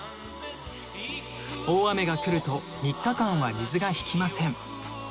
「大雨がくると３日間は水がひきません！」